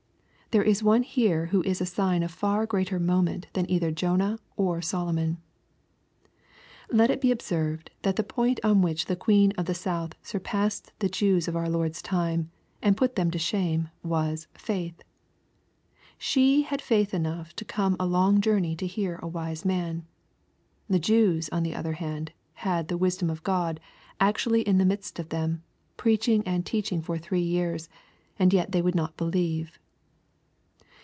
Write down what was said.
— There is one here who is ^ sign of far greater moment than either Jonah or Solomon. . Let it be observed, that the point in which the queen of the South surpassed the Jews of our Lord's time dnd put them to shame, was ''faith." She had faith enough to come a long journey to hear a wise man. The Jews, on the other hand, had " the wis dom of God" actually in the midst of them, preaching and teaching for three years, and yet they would not believe.